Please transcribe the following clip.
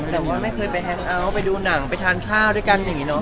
แต่ว่าไม่เคยไปแฮงเอาท์ไปดูหนังไปทานข้าวด้วยกันอย่างนี้เนอ